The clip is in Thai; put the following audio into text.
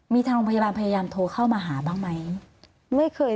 มีทางโรงพยาบาลพยายามโทรเข้ามาหาบ้างไหม